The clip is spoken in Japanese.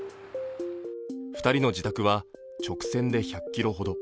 ２人の自宅は直線で１００ｋｍほど。